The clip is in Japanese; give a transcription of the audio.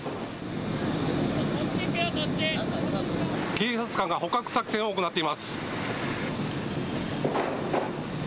警察官が捕獲作戦を行っています。